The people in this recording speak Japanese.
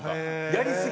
やりすぎ。